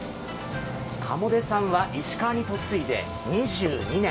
鴨出さんは石川に嫁いで２２年。